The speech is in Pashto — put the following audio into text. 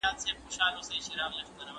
هسي نه ده چي نېستۍ ته برابر سو